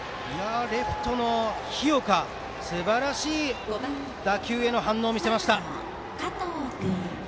レフトの日岡すばらしい打球への反応です。